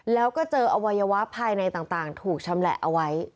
แล้วก็เจออวัยวะภายในต่างถูกชำแหละเอาไว้